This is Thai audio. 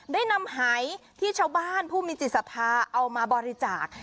ได้นำหายที่ชาวบ้านผู้มีจิตศรัทธาเอามาบริจาค